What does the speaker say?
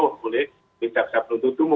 boleh bisa bisa beruntung tunggu